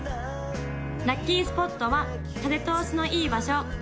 ・ラッキースポットは風通しのいい場所